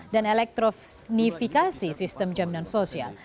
dan elektronifikasi sistem jaminan sosial